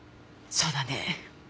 そうだね。